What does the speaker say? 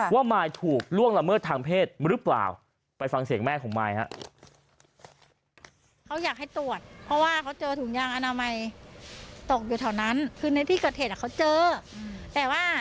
ว่ามายถูกล่วงละเมิดทางเพศหรือเปล่า